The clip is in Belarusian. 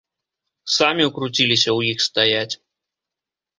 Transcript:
Самі ўкруціліся ў іх стаяць.